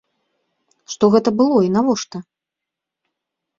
Што гэта было і навошта?